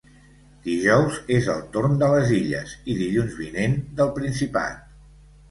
Dijous és el torn de les Illes, i dilluns vinent del Principat.